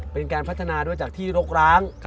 เป็นการพัฒนาด้วยจากที่รกร้าง